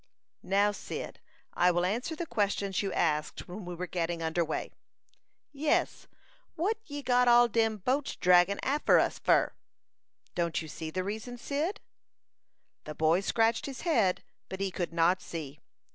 "Now, Cyd, I will answer the questions you asked when we were getting under way." "Yes, what ye got all dem boats draggin arter us fur?" "Don't you see the reason, Cyd?" The boy scratched his head, but he could not see.